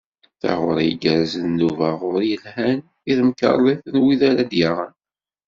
Taɣuri igerrzen, d ubaɣur yelhan, i temkerḍit n wid ara t-id-yaɣen.